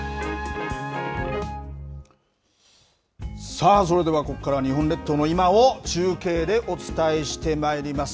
さあ、それではここからは、日本列島の今を中継でお伝えしてまいります。